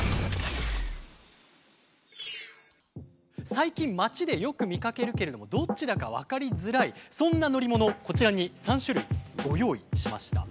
最近街でよく見かけるけれどもどっちだか分かりづらいそんな乗り物をこちらに３種類ご用意しました。